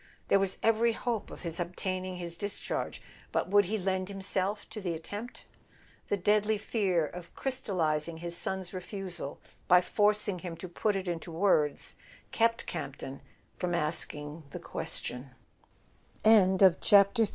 There was every hope of his obtaining his dis¬ charge; but would he lend himself to the attempt? The deadly fear of crystallizing his son's refusal by forcing him to put it into words kept Campton from ask